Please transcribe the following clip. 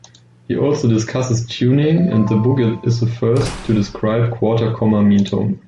He also discusses tuning, and the book is the first to describe quarter-comma meantone.